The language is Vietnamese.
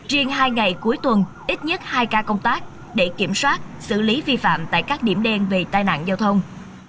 riêng hai ngày cuối tuần ít nhất hai ca công tác để kiểm soát xử lý vi phạm tại các điểm đen về tai nạn giao thông